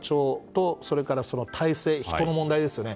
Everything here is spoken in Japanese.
それからその体制人の問題ですよね。